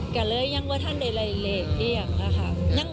ก็เลยยังว่าท่านได้รายเลขด้วยอย่างน่ะค่ะ